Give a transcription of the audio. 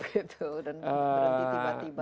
gitu dan berhenti tiba tiba